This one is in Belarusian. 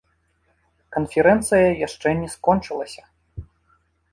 Канферэнцыя яшчэ не скончылася.